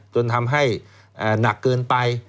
จนทำให้หนักเกินไป